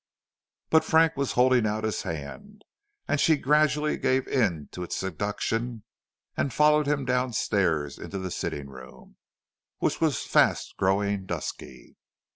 But Frank was holding out his hand, and she gradually gave in to its seduction and followed him down stairs into the sitting room, which was fast growing dusky.